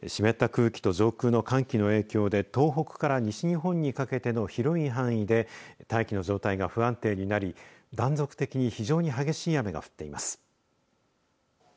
湿った空気と上空の寒気の影響で東北から西日本にかけての広い範囲で大気の状態が不安定になり断続的に非常に激しい雨が降っています。